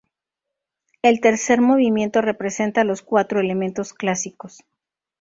El tercer movimiento representa los cuatro elementos clásicos.